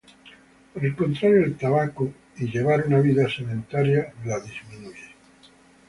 Por el contrario el tabaco y llevar una vida sedentaria la disminuye.